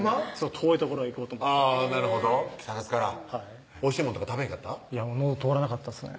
遠い所へ行こうとあぁなるほど木更津からおいしいもんとか食べへんかった？のど通らなかったですね